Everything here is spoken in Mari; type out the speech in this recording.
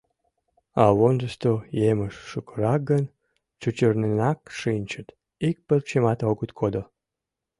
А вондышто емыж шукырак гын, чӱчырненак шинчыт, ик пырчымат огыт кодо.